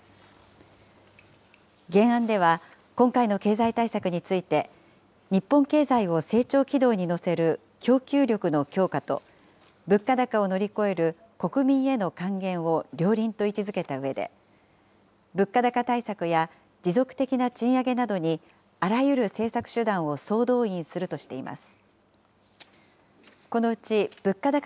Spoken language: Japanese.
原案では、今回の経済対策について、日本経済を成長軌道に乗せる供給力の強化と、物価高を乗り越える国民への還元を両輪と位置づけたうえで、物価高対策や持続的な賃上げなどに、あらゆる政策手段を総動員するとしています。